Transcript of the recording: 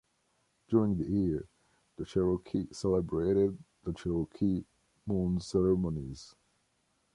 During the year, the Cherokee celebrated the Cherokee Moons Ceremonies.